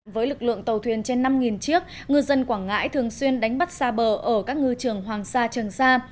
với lực lượng tàu thuyền trên năm chiếc ngư dân quảng ngãi thường xuyên đánh bắt xa bờ ở các ngư trường hoàng sa trường sa